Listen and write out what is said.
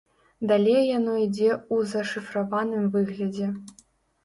Далей яно ідзе ў зашыфраваным выглядзе.